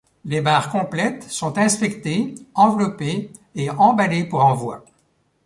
Les barres complètes sont inspectées, enveloppées et emballées pour envoi.